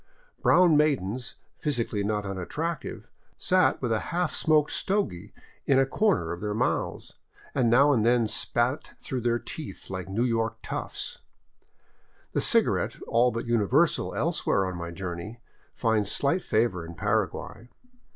Brown maidens, physically not unattractive, sat with a half smoked stogy in a corner of their mouths, and now and then spat through their teeth like New York toughs. The cigarette, all but universal elsewhere on my journey, finds slight favor in Paraguay.